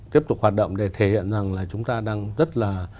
tiếp tục hoạt động để thể hiện rằng là chúng ta đang rất là